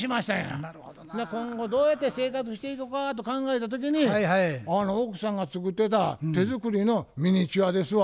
今後どうやって生活していこかと考えた時に奥さんが作ってた手作りのミニチュアですわ。